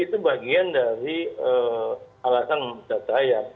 itu bagian dari alasan menurut saya